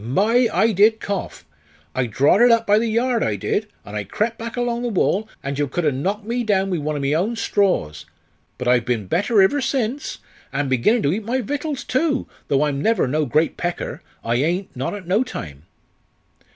My! I did cough. I drawed it up by the yard, I did and I crep' back along the wall, and yo cud ha' knocked me down wi' one o' my own straws. But I've been better iver since, an' beginnin' to eat my vittles, too, though I'm never no great pecker I ain't not at no time."